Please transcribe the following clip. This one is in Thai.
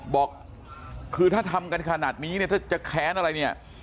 บอกคือถ้าทำกันขนาดนี้เนี่ยถ้าจะแค้นอะไรเนี่ย